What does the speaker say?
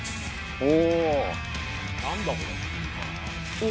お！